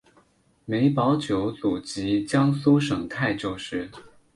梅葆玖祖籍江苏省泰州市。